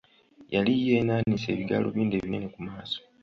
Yali yeenaanise ebigaalubindi ebinene ku maaso.